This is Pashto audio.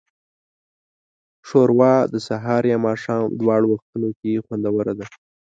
ښوروا د سهار یا ماښام دواړو وختونو کې خوندوره ده.